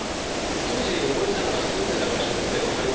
当時萌絵さんが住んでた場所ってわかりませんかね？